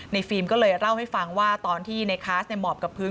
ฟิล์มก็เลยเล่าให้ฟังว่าตอนที่ในคลาสหมอบกับพื้น